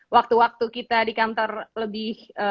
waktu waktu kita di kantor lebih